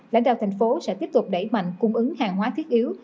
lãnh đạo thành phố sẽ tiếp tục đẩy mạnh cung ứng hàng hóa thiết yếu